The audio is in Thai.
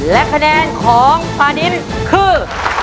และคะแนนของฟาดินคือ